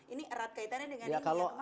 ini erat kaitannya dengan yang kemarin ya pak